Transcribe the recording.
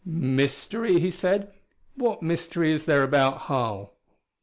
"Mystery?" he said. "What mystery is there about Harl?"